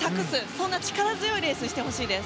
そんな力強いレースにしてほしいです。